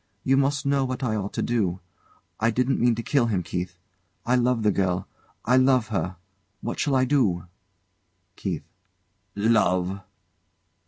You must know what I ought to do. I didn't, mean to kill him, Keith. I love the girl I love her. What shall I do? KEITH. Love!